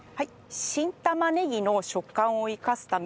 新玉ねぎの食感を生かすために。